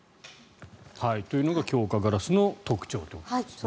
というのが強化ガラスの特徴ということですね。